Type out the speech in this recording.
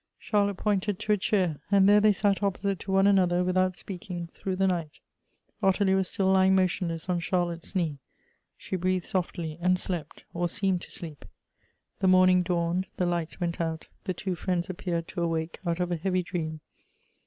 Charlotte pointed to a chair, and there they sat opposite to one another, without speaking, through the night. Ottilie was still lying motionless on Charlotte's knee; she breathed softly, and slept or seemed to sleep. The morning dawned, the lights went out; the two friends appeared to awake out of a heavy dream.